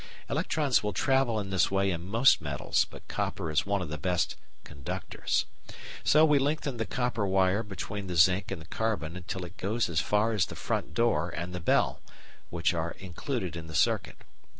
Electrons will travel in this way in most metals, but copper is one of the best "conductors." So we lengthen the copper wire between the zinc and the carbon until it goes as far as the front door and the bell, which are included in the circuit.